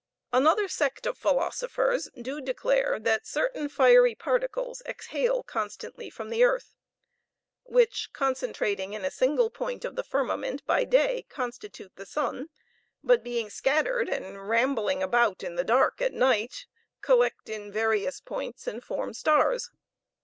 Another sect of philosophers do declare, that certain fiery particles exhale constantly from the earth, which, concentrating in a single point of the firmament by day, constitute the sun, but being scattered and rambling about in the dark at night, collect in various points, and form stars.